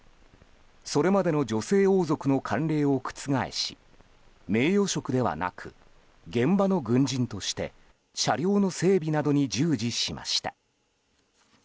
それまでの女性王族の慣例を覆し名誉職ではなく現場の軍人として車両の整備などに従事しました。